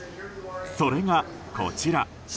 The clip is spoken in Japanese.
それが、こちら。